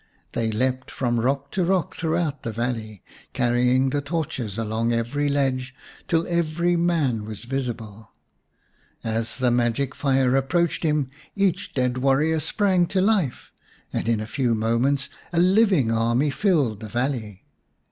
They leapt from rock to rock throughout the valley, carry ing the torches along every ledge, till every man was visible. As the magic fire approached him, each dead warrior sprang to life, and in a few moments a living army filled the valley.